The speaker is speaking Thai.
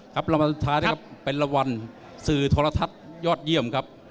รางวัลสุดท้ายนะครับเป็นรางวัลสื่อโทรทัศน์ยอดเยี่ยมครับ